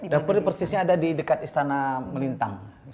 dapurnya persisnya ada di dekat istana melintang